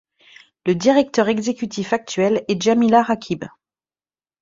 Le directeur exécutif actuel est Jamila Raqib.